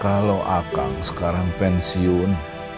kalo akang sekarang pensiun